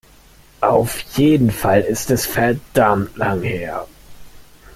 Auf jeden Fall ist es verdammt lang her.